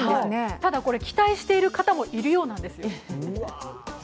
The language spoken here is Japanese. ただこれ、期待している方もいるようなんですよ。